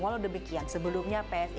walau demikian sebelumnya psi mendukung jokowi